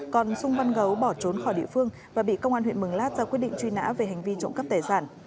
còn sung mân gấu bỏ trốn khỏi địa phương và bị công an huyện mường lát ra quyết định truy nã về hành vi trộm cắp tài sản